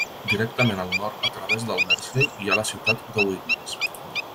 Directament al nord a través del Mersey hi ha la ciutat de Widnes.